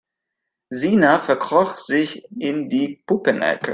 Sina verkroch sich in die Puppenecke.